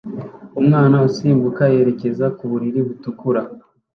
Umwana usimbuka yerekeza ku buriri butukura